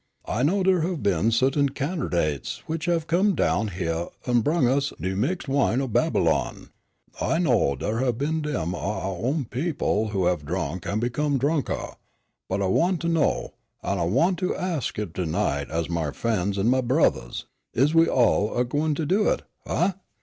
I know dar have been suttain cannerdates which have come down hyeah an' brung us de mixed wine o' Babylon. I know dar have been dem o' ouah own people who have drunk an' become drunk ah! But I want to know, an' I want to ax you ter night as my f'en's an' my brothahs, is we all a gwineter do it huh?